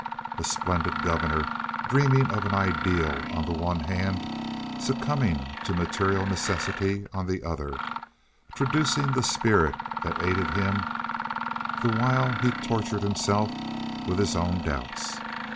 A splendid governor dreaming of an ideal on the one hand, succumbing to material necessity on the other, traducing the spirit that aided him the while he tortured himself with his own doubts.